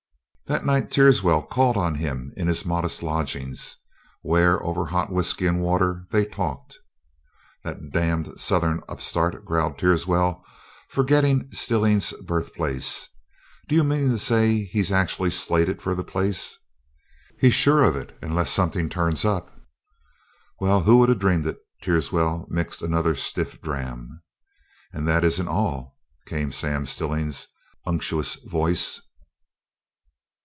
That night Teerswell called on him in his modest lodgings, where over hot whiskey and water they talked. "The damned Southern upstart," growled Teerswell, forgetting Stillings' birth place. "Do you mean to say he's actually slated for the place?" "He's sure of it, unless something turns up." "Well, who'd have dreamed it?" Teerswell mixed another stiff dram. "And that isn't all," came Sam Stillings' unctuous voice.